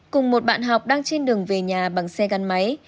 cùng một bạn học đang trên đường về nhà bằng xe gắn máy